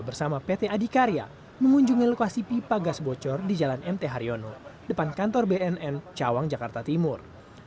bersama pt adikarya mengunjungi lokasi pipa gas bocor di jalan mt haryono depan kantor bnn cawang jakarta timur